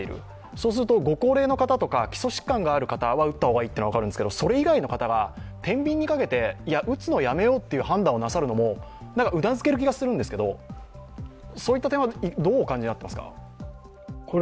そうするとご高齢の方とか基礎疾患がある方は打った方がいいというのは分かるんですがそれ以外の方がてんびんにかけて打つのをやめようという判断をなさるのもうなずける気がするんですけど、そういった点はどうお感じになってぃますか？